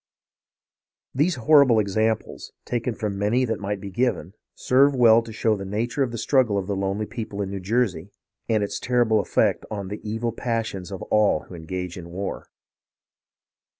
These horrible examples, taken from many that might be given, serve well to show the nature of the struggle of the lonely people in New Jersey, and its terrible effect on the evil passions of all who engage in war.